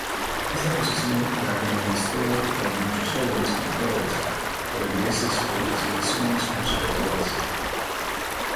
Esta posición le enemistó con muchos jóvenes pintores holandeses por sus elecciones conservadoras.